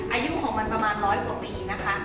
อายุของมันประมาณร้อยกว่าปีนะคะ